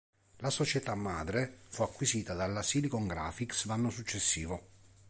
La società madre fu acquisita dalla Silicon Graphics l'anno successivo.